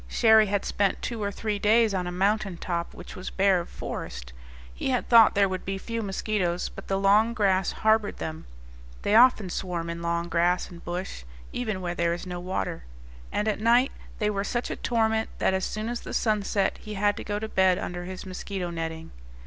Cherrie had spent two or three days on a mountain top which was bare of forest; he had thought there would be few mosquitoes, but the long grass harbored them (they often swarm in long grass and bush, even where there is no water), and at night they were such a torment that as soon as the sun set he had to go to bed under his mosquito netting.